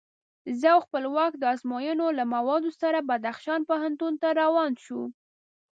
زه او خپلواک د ازموینو له موادو سره بدخشان پوهنتون ته روان شوو.